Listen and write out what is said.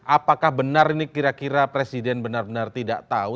apakah benar ini kira kira presiden benar benar tidak tahu